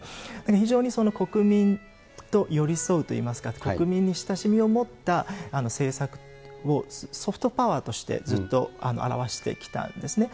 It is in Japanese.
非常に国民と寄り添うといいますか、国民に親しみを持った制作をソフトパワーとしてずっとあらわしてきたんですね。